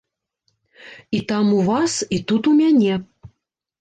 І там у вас, і тут у мяне.